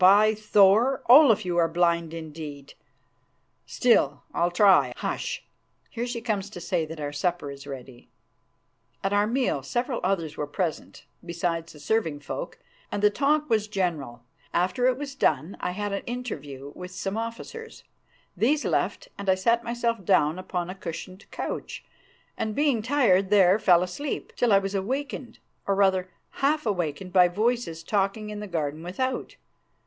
By Thor! Olaf, you are blind indeed. Still, I'll try. Hush! here she comes to say that our supper is ready." At our meal several others were present, besides the serving folk, and the talk was general. After it was done I had an interview with some officers. These left, and I sat myself down upon a cushioned couch, and, being tired, there fell asleep, till I was awakened, or, rather, half awakened by voices talking in the garden without.